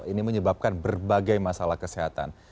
ini menyebabkan berbagai masalah kesehatan